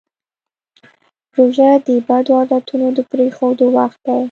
روژه د بدو عادتونو د پرېښودو وخت دی.